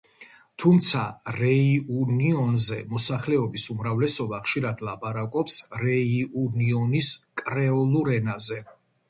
თუმცა რეიუნიონზე მოსახლეობის უმრავლესობა ხშირად ლაპარაკობს რეიუნიონის კრეოლურ ენაზე.